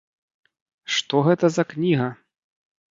Што гэта за кніга?